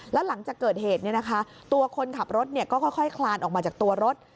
แล้วหลังจากเกิดเหตุตัวคนขับรถก็ค่อยคลานออกมาจากตัวรถ